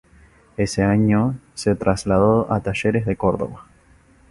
Ese año se trasladó a Talleres de Córdoba.